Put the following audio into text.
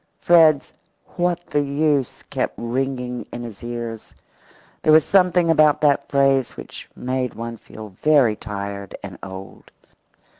Fred's "What's the use?" kept ringing in his ears. There was something about that phrase which made one feel very tired and old.